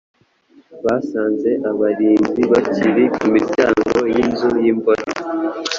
basanze abarinzi bakiri ku miryango y’inzu y’imbohe,